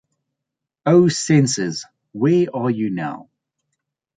O censors, where are you now?